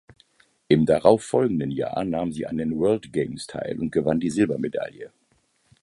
Im darauffolgenden Jahr nahm sie an den World Games teil und gewann die Silbermedaille.